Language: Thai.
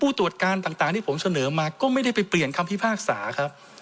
ตรวจการต่างที่ผมเสนอมาก็ไม่ได้ไปเปลี่ยนคำพิพากษาครับ